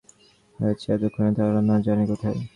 হয়ত রামমােহন মাল রওনা হইয়াছে, এতক্ষণে তাহারা না জানি কোথায়!